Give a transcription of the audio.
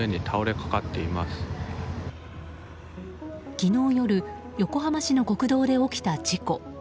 昨日夜横浜市の国道で起きた事故。